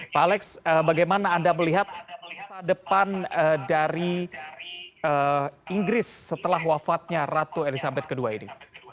pak alex bagaimana anda melihat masa depan dari inggris setelah wafatnya ratu elizabeth ii ini